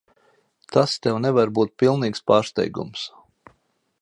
Tas tev nevar būt pilnīgs pārsteigums.